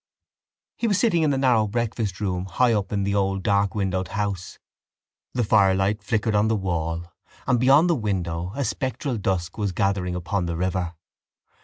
He was sitting in the narrow breakfast room high up in the old darkwindowed house. The firelight flickered on the wall and beyond the window a spectral dusk was gathering upon the river.